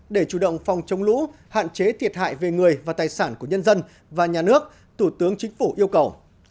để chủ động phòng chống lũ hạn chế thiệt hại về người và tài sản của nhân dân và nhà nước thủ tướng chính phủ yêu cầu